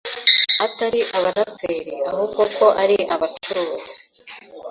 atari abaraperi ahubwo ko ari abacuruzi